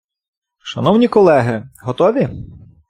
Шановні колеги, готові?